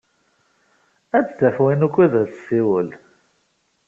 Ad d-taf win wukud ad tessiwel.